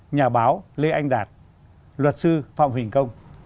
nhà báo lê anh đạt luật sư phạm huỳnh công